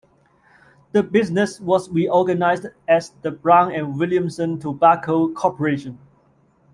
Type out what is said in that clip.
The business was reorganized as the Brown and Williamson Tobacco Corporation.